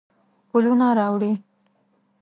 ښکلونه راوړي